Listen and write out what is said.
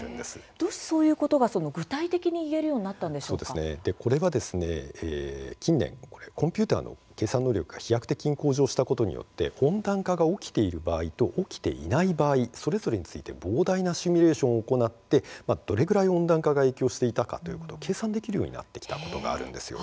どうしてそういうことが具体的に近年コンピューターの計算能力が飛躍的に向上したことによって温暖化が起きている場合と起きていない場合それぞれについて膨大なシミュレーションを行ってどれぐらい温暖化が影響していたかを計算できるようになってきたことがあるんです。